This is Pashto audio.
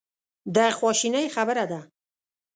د خواشینۍ خبره ده.